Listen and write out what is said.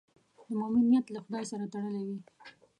د مؤمن نیت له خدای سره تړلی وي.